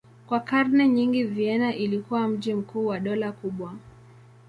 Kwa karne nyingi Vienna ilikuwa mji mkuu wa dola kubwa.